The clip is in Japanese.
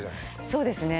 そうですね。